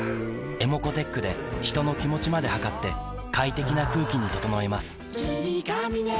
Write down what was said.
ｅｍｏｃｏーｔｅｃｈで人の気持ちまで測って快適な空気に整えます